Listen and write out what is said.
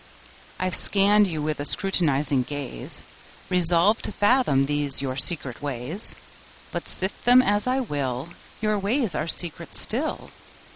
I've scanned you with a scrutinizing gaze, Resolved to fathom these your secret ways: But, sift them as I will, Your ways are secret still.